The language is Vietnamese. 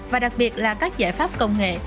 và đặc biệt là các giải pháp công nghệ